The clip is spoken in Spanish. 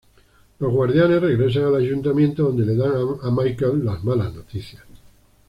Los guardianes regresan al ayuntamiento donde le dan a Michael las malas noticias.